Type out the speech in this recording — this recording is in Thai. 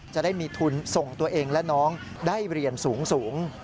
จะได้มีทุนส่งตัวเองและน้องได้เรียนสูง